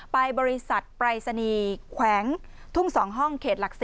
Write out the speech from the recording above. ไปบริษัทปรายศนีย์แขวงทุ่ง๒ห้องเขตหลัก๔